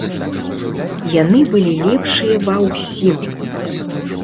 Яны былі лепшыя ва ўсім.